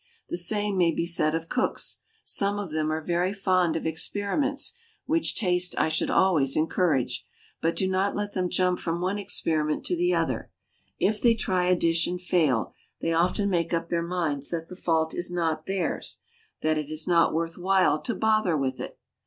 The same may be said of cooks; some of them are very fond of experiments, which taste I should always encourage; but do not let them jump from one experiment to the other; if they try a dish and fail, they often make up their minds that the fault is not theirs, that it is not worth while to "bother" with it.